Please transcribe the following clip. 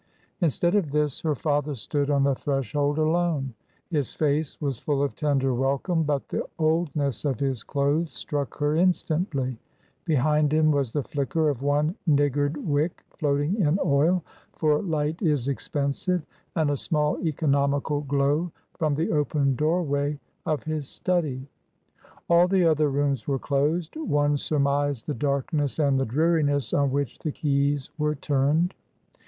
Instead of this, her father stood on the threshold alone ; his face was full of tender wel come, but the oldness of his clothes struck her instantly ; behind him was the flicker of one niggard wick floating in oil (for light is expensive), and a small, economical glow from the open doorway of his study. All the other rooms were closed ; one surmised the darkness and the dreariness on which the keys were turned.